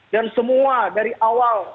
dan semua dari awal